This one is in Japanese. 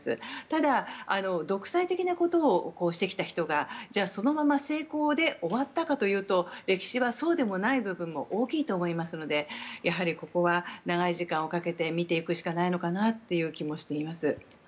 ただ独裁的なことをしてきた人がそのまま成功で終わったかというと歴史はそうでもない部分も大きいと思いますのでここは長い時間をかけて見ていくしかないのかなという気もしています。